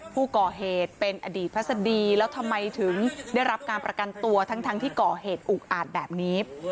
ผู้ก่อเหตุเป็นอดีตพัศดีแล้วทำไมถึงได้รับการประกันตัวทั้งที่ก่อเหตุอุกอาจแบบนี้